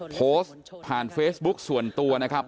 โพสต์ผ่านเฟซบุ๊กส่วนตัวนะครับ